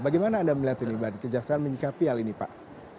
bagaimana anda melihat ini kejaksaan menyikapi hal ini pak